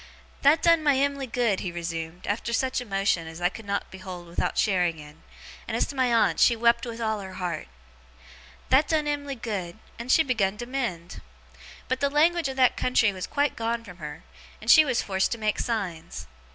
'That done my Em'ly good,' he resumed, after such emotion as I could not behold without sharing in; and as to my aunt, she wept with all her heart; 'that done Em'ly good, and she begun to mend. But, the language of that country was quite gone from her, and she was forced to make signs.